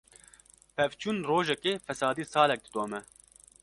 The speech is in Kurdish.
Pevçûn rojekê, fesadî salek didome.